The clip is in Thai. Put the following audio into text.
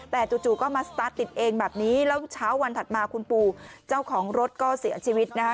แต่จู่ก็มาสตาร์ทติดเองแบบนี้แล้วเช้าวันถัดมาคุณปูเจ้าของรถก็เสียชีวิตนะคะ